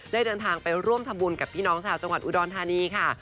เดินทางไปร่วมทำบุญกับพี่น้องชาวจังหวัดอุดรธานีค่ะ